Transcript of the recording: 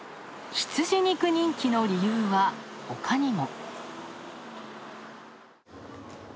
羊肉人気の理由はほかにも。